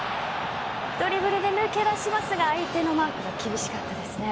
ドリブルで抜け出しますが相手のマーク厳しかったですね